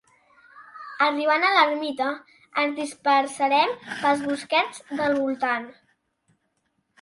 Arribats a l'ermita, ens dispersàrem pels bosquets del voltant.